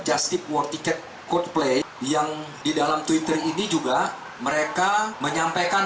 just work ticket court play yang di dalam twitter ini juga mereka menyampaikan